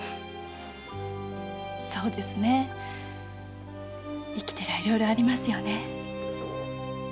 そうですね生きてりゃいろいろありますよね。